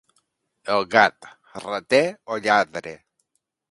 El gat, rater o lladre.